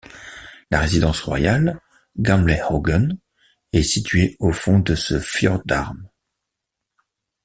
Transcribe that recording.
La résidence royale, Gamlehaugen, est située au fond de ce fjordarm.